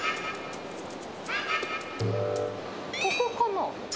ここかな？